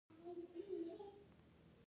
د غزني باغونه الو لري.